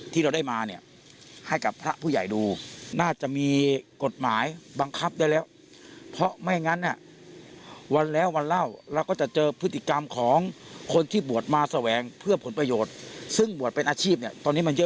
ทำผิดพระวินัยเนี่ยมันน้อย